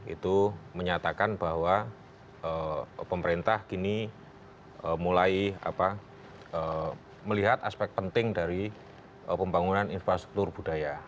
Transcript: itu menyatakan bahwa pemerintah kini mulai melihat aspek penting dari pembangunan infrastruktur budaya